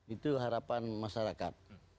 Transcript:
itu harapan masyarakat